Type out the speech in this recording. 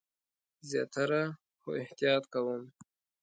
زیاتره، خو احتیاط کوم